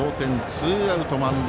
ツーアウト満塁。